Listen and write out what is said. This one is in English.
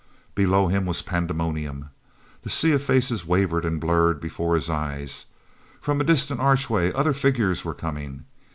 elow him was pandemonium. The sea of faces wavered and blurred before his eyes. From a distant archway other figures were coming.